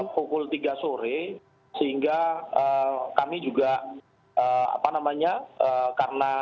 pada pukul tiga sore sehingga kami juga apa namanya